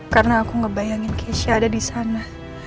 karena aku ngebayangin keisha ada di sana